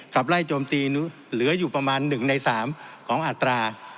ขับไล่โจมตีเหลืออยู่ประมาณ๑ใน๓ของอัตรา